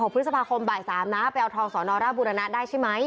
พฤษภาคมบ่าย๓นะไปเอาทองสอนอร่าบุรณะได้ใช่ไหม